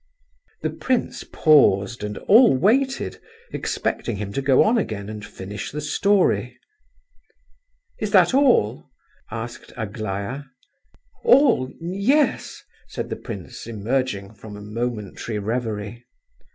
The prince paused and all waited, expecting him to go on again and finish the story. "Is that all?" asked Aglaya. "All? Yes," said the prince, emerging from a momentary reverie.